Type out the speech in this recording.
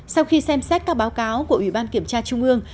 sau khi xem xét các báo cáo của ủy ban kiểm tra trung ương